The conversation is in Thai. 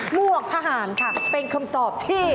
หวกทหารค่ะเป็นคำตอบที่